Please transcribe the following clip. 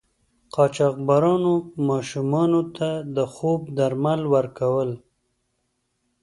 قاچاقبرانو ماشومانو ته د خوب درمل ورکول.